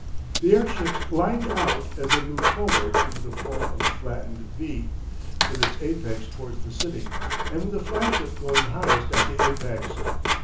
The airships lined out as they moved forward into the form of a flattened V, with its apex towards the city, and with the flagship going highest at the apex.